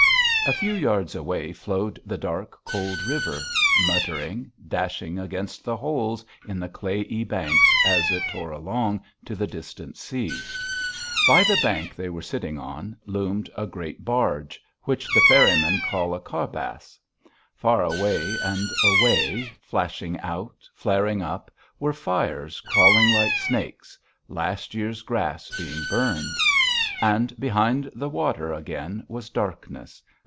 A few yards away flowed the dark, cold river, muttering, dashing against the holes in the clayey banks as it tore along to the distant sea. By the bank they were sitting on, loomed a great barge, which the ferrymen call a karbass. Far away and away, flashing out, flaring up, were fires crawling like snakes last year's grass being burned. And behind the water again was darkness.